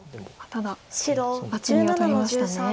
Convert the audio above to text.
ただ厚みを取りましたね。